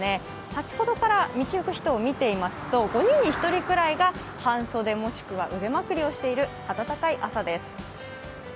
先ほどから道行く人を見ていますと５人に１人くらいが半袖もしくは腕まくりをしている暖かい朝です。